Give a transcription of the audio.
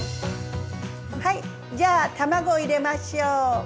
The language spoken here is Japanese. はいじゃあ卵を入れましょう。